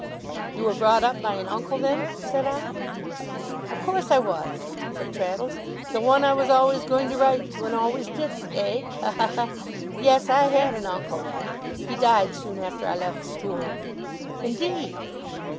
'You were brought up by an uncle, then?' said I. 'Of course I was!' said Traddles. 'The one I was always going to write to. And always didn't, eh! Ha, ha, ha! Yes, I had an uncle then. He died soon after I left school.' 'Indeed!